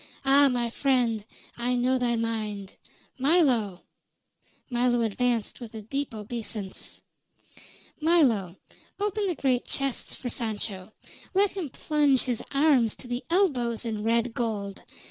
"Ah! my friend, I know thy mind. Milo!" Milo advanced with a deep obeisance. "Milo, open the great chests for Sancho. Let him plunge his arms to the elbows in red gold.